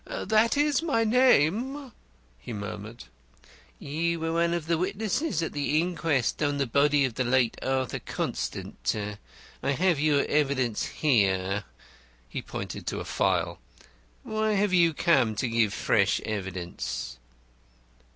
"That is my name," he murmured. "You were one of the witnesses at the inquest on the body of the late Arthur Constant. I have your evidence there." He pointed to a file. "Why have you come to give fresh evidence?"